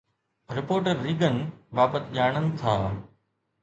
reporter Reagan بابت ڄاڻن ٿا